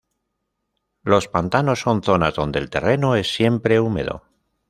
Los pantanos son zonas donde el terreno es siempre húmedo.